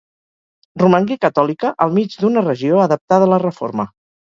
Romangué catòlica al mig d'una regió adaptada a la Reforma.